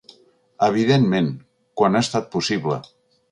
Evidentment, quan ha estat possible.